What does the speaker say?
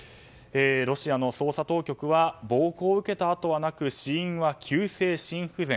ロシアの捜査当局は暴行を受けた痕はなく死因は急性心不全。